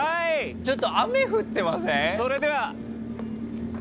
ちょっと雨降ってます。